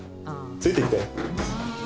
ついてきて。